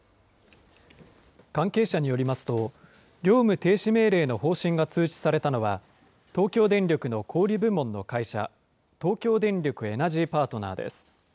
関係者によりますと、業務停止命令の方針が通知されたのは、東京電力の小売り部門の会社、東京電力エナジーパートナーです。